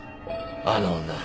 あの女